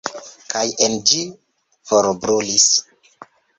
Kaj en ĝi forbrulis.